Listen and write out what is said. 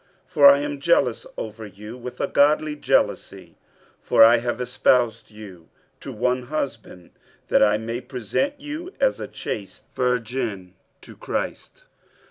47:011:002 For I am jealous over you with godly jealousy: for I have espoused you to one husband, that I may present you as a chaste virgin to Christ.